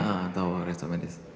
iya tahu resum medis